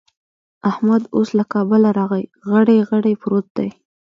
احمد اوس له کابله راغی؛ غړي غړي پروت دی.